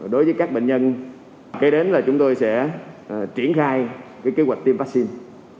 đối với các bệnh nhân kế đến là chúng tôi sẽ triển khai kế hoạch tiêm vaccine